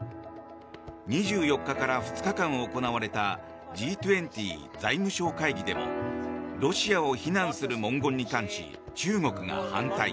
２４日から２日間行われたＧ２０財務相会議でもロシアを非難する文言に関し中国が反対。